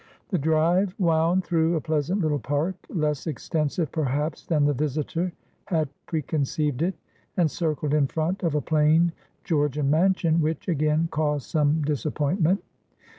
The drive wound through a pleasant little park, less extensive, perhaps, than the visitor had preconceived it, and circled in front of a plain Georgian mansion, which, again, caused some disappointment.